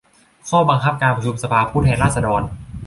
ข้อบังคับการประชุมสภาผู้แทนราษฎร